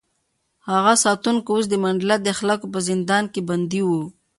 هغه ساتونکی اوس د منډېلا د اخلاقو په زندان کې بندي و.